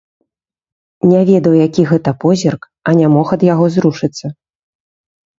Не ведаў, які гэта позірк, а не мог ад яго зрушыцца.